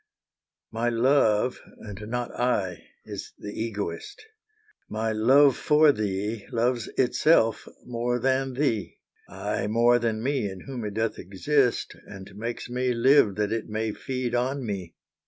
My love, and not I, is the egoist. My love for thee loves itself more than thee; Ay, more than me, in whom it doth exist, And makes me live that it may feed on me.